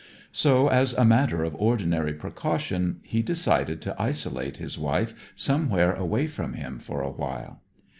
So, as a matter of ordinary precaution, he decided to isolate his wife somewhere away from him for a while.